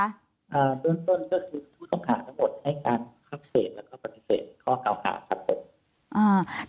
ด้านต้นก็คือทุกข้อหาทั้งหมดให้การครับเสร็จและก็ปฏิเสธข้อเก่าหาครับผม